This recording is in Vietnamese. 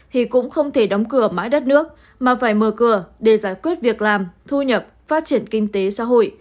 thì cũng không thể đóng cửa mãi đất nước mà phải mở cửa để giải quyết việc làm thu nhập phát triển kinh tế xã hội